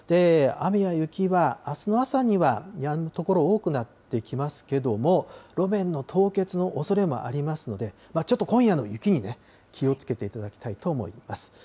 雨や雪はあすの朝にはやむ所多くなってきますけれども、路面の凍結のおそれもありますので、ちょっと今夜の雪に気をつけていただきたいと思います。